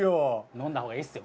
飲んだほうがいいですよ